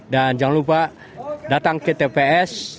jangan lupa datang ke tps